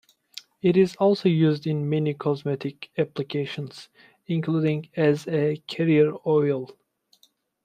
It is also used in many cosmetic applications, including as a carrier oil.